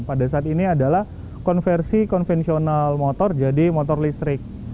pada saat ini adalah konversi konvensional motor jadi motor listrik